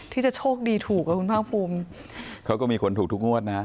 ที่จะโชคดีถูกอ่ะคุณภาคภูมิเขาก็มีคนถูกทุกงวดนะ